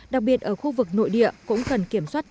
đặc biệt ở khu vực nội địa cũng cần kiểm soát